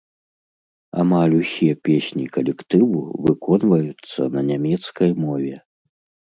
Амаль усе песні калектыву выконваюцца на нямецкай мове.